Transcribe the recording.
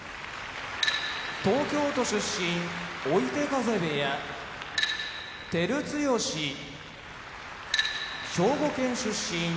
東京都出身追手風部屋照強兵庫県出身伊勢ヶ濱部屋